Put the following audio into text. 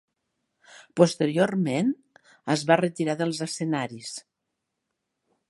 Posteriorment es va retirar dels escenaris.